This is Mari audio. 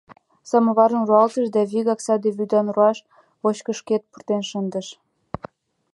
Самоварым руалтыш да вигак саде вӱдан руаш вочкышкет пуртен шындыш.